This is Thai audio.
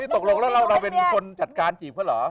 ตกลงแล้วเราเป็นคนจัดการจีบเขาเหรอ